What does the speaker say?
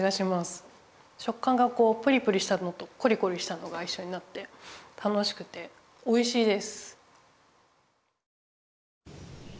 食感がプリプリしたのとコリコリしたのがいっしょになって楽しくておいしいです。